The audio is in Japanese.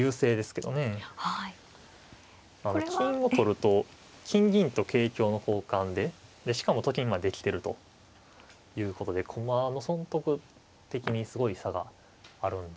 金を取ると金銀と桂香の交換でしかもと金までできてるということで駒の損得的にすごい差があるんで。